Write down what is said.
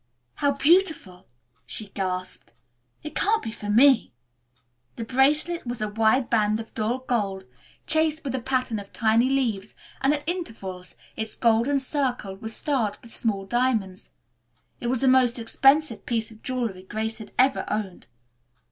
"How beautiful!" she gasped. "It can't be for me!" The bracelet was a wide band of dull gold, chased with a pattern of tiny leaves, and, at intervals, its golden circle was starred with small diamonds. It was the most expensive piece of jewelry Grace had ever owned.